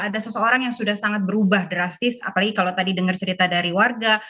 ada seseorang yang sudah sangat berubah drastis apalagi kalau tadi dengar cerita dari warga